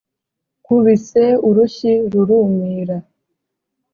Nkubise urushyi rurumira